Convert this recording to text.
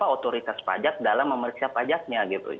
otoritas pajak dalam memeriksa pajaknya gitu